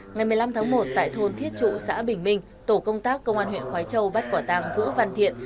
ngày một mươi năm tháng một tại thôn thiết trụ xã bình minh tổ công tác công an huyện khói châu bắt quả tàng vũ văn thiện